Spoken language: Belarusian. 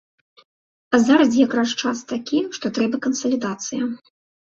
А зараз якраз час такі, што трэба кансалідацыя.